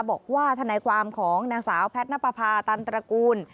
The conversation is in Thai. บอกว่าทนายความของนางสาวแพทย์นปภาตันตระกูล